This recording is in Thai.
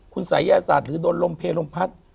คุณสัยแย่ศาสตร์หรือโรงเพลย์โรงพัฒน์